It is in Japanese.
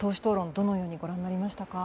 どのようにご覧になりましたか？